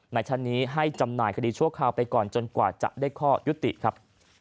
ชั้นนี้ให้จำหน่ายคดีชั่วคราวไปก่อนจนกว่าจะได้ข้อยุติครับ